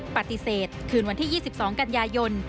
ปฏิเสธคืนวันที่๒๒กันยายน